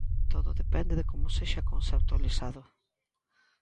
Todo depende de como sexa conceptualizado.